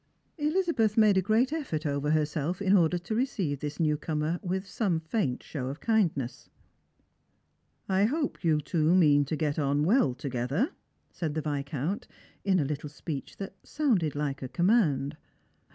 Elizabeth made a great effort over herself in order to receive this new comer with some faint show of kindness. "I hope you two mean to get on well together," said the Viscount, in a little speech that sounded like a command.